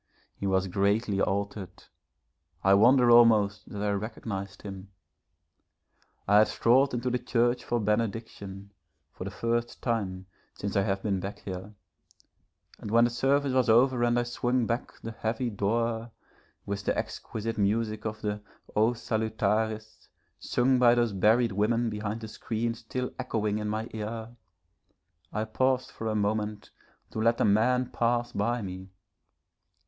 He was greatly altered, I wonder almost that I recognised him. I had strolled into the church for benediction, for the first time since I have been back here, and when the service was over and I swung back the heavy door, with the exquisite music of the 'O Salutaris,' sung by those buried women behind the screen still echoing in my ear, I paused a moment to let a man pass by me.